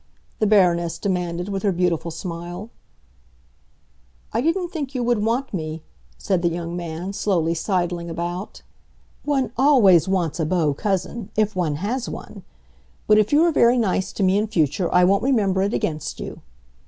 the Baroness demanded, with her beautiful smile. "I didn't think you would want me," said the young man, slowly sidling about. "One always wants a beau cousin,—if one has one! But if you are very nice to me in future I won't remember it against you."